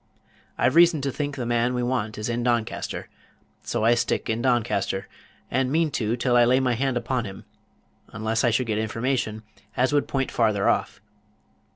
I've reason to think the man we want is in Doncaster; so I stick in Doncaster, and mean to, till I lay my hand upon him unless I should get information as would point farther off.